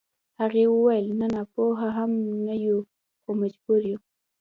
هغې وويل نه ناپوهه هم نه يو خو مجبور يو.